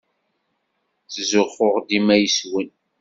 Ttzuxxuɣ dima yes-wen.